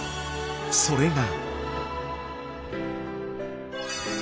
それが。